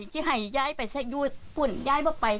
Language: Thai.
ที่ให้ย้ายไปซะอยู่คุณย้ายไม่ไป